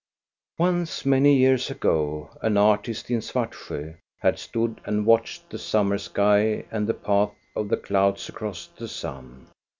Once, many years ago, an artist in Svartsjo had stood and watched the summer sky and the path of the clouds across the sun.